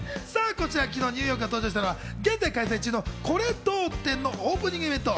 こちら、ニューヨークが昨日登場したのは現在、開催中の「これどう？展」のオープニングイベント。